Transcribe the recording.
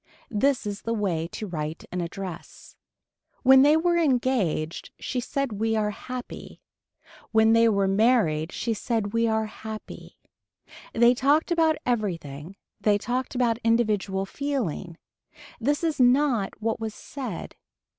This is the way to write an address. When they were engaged she said we are happy. When they were married she said we are happy. They talked about everything they talked about individual feeling. This is not what was said.